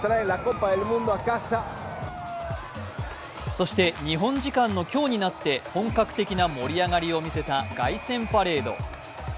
そして、日本時間の今日になって、本格的な盛り上がりを見せた凱旋パレード。